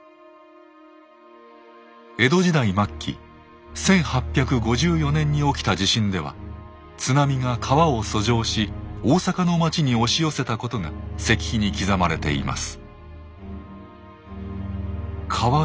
江戸時代末期１８５４年に起きた地震では津波が川を遡上し大阪の町に押し寄せたことが石碑に刻まれています。